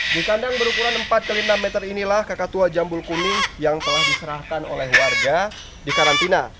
yang berukuran empat lima meter inilah kakak tua jambul kuning yang telah diserahkan oleh warga di karantina